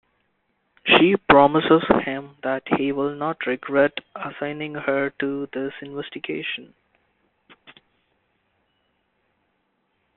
She promises him that he will not regret assigning her to this investigation.